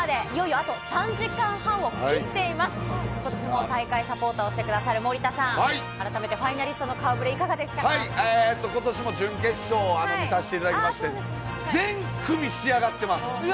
ことしも、大会サポーターをしてくださる森田さん、改めてファイナリストのことしも準決勝、見させていただきまして、全組仕上がってます。